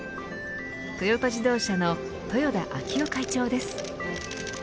トヨタ自動車の豊田章男会長です。